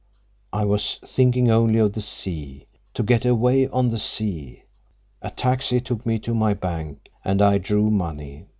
I was thinking only of the sea—to get away on the sea. A taxi took me to my bank, and I drew money.